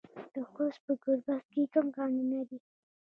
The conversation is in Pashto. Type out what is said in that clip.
د خوست په ګربز کې کوم کانونه دي؟